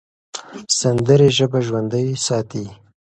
سندرې ژبه ژوندۍ ساتي.